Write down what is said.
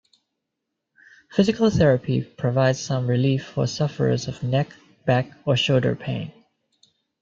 Physical therapy provides some relief for sufferers of neck, back, or shoulder pain.